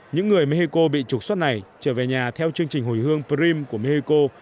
những người mexico bị trục xuất này trở về nhà theo chương trình hồi hương prim của mexico